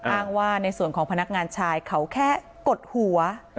อ้างว่าในส่วนของพนักงานชายเขาแค่กดหัว